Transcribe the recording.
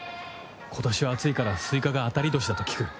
今年は暑いからスイカが当たり年だと聞く。